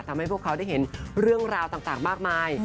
ทำให้พวกเขาได้เห็นเรื่องราวต่างมากมาย